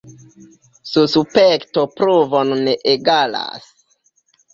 Suspekto pruvon ne egalas.